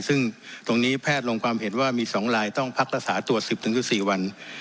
ซึ่งตรงนี้แพทย์ลงความเห็นว่ามีสองรายต้องพักตระสาทตรวจสิบถึงสิบสี่วัน